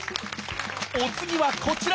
お次はこちら！